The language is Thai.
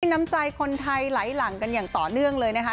น้ำใจคนไทยไหลหลังกันอย่างต่อเนื่องเลยนะคะ